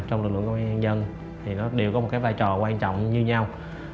của lực lượng công an dân thì nó đều có một cái vai trò quan trọng như nhau